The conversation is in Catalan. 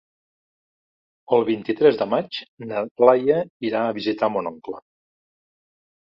El vint-i-tres de maig na Laia irà a visitar mon oncle.